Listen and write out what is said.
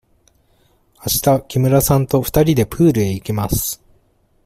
あした木村さんと二人でプールへ行きます。